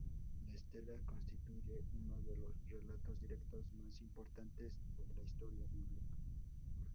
La estela constituye uno de los relatos directos más importantes de la historia bíblica.